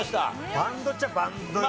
バンドっちゃバンドよね。